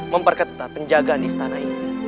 memperketa penjagaan istana ini